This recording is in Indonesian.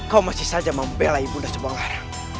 kau masih saja membelai ibunda subanglarang